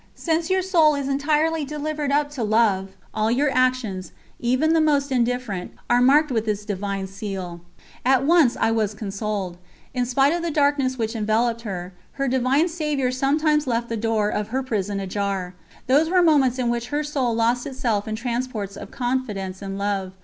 Since your soul is entirely delivered up to love, all your actions, even the most indifferent, are marked with this divine seal.' At once I was consoled." In spite of the darkness which enveloped her, her Divine Saviour sometimes left the door of her prison ajar. Those were moments in which her soul lost itself in transports of confidence and love.